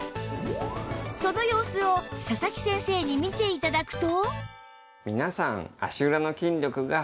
その様子を佐々木先生に見て頂くと